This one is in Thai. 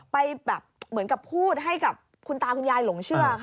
ไปแบบเหมือนกับพูดให้กับคุณตาคุณยายหลงเชื่อค่ะ